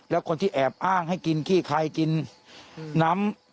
แล้วคนที่แอบอ้างให้กินขี้ใครกินน้ำ